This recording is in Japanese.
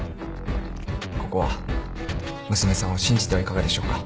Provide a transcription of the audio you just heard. ここは娘さんを信じてはいかがでしょうか？